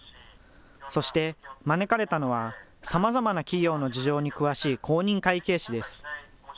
そして、招かれたのはさまざまな企業の事情に詳しい公認会計士です。